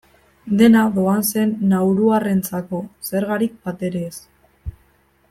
Dena doan zen nauruarrentzako, zergarik batere ez.